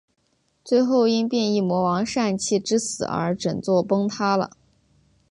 最后因变异魔王膻气之死而整座崩塌了。